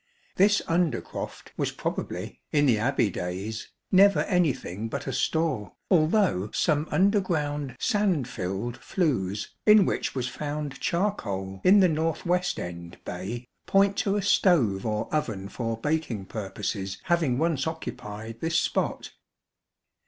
This under croft was probably, in the Abbey days, never anything but a store, although some underground sand tilled flues, in which was found charcoal in the north west end bay, point to a stove or oven for baking purposes having once occupied this spot.